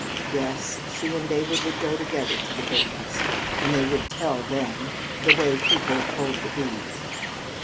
Yes, she and David would go together to the babies, and they would "tell them," the way people "told the bees."